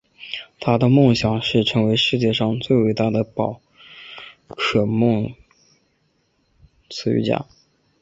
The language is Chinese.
他的梦想是成为世界上最伟大的宝可梦饲育家。